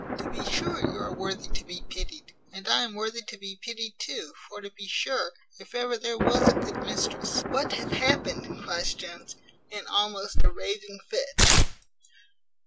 To be sure you are worthy to be pitied, and I am worthy to be pitied too: for, to be sure, if ever there was a good mistress " "What hath happened?" cries Jones, in almost a raving fit.